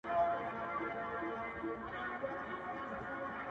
په ساز جوړ وم؛ له خدايه څخه ليري نه وم؛